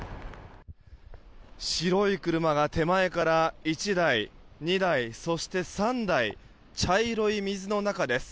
白い車が手前から１台、２台、そして３台茶色い水の中です。